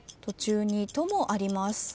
途中に「と」もあります。